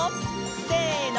せの！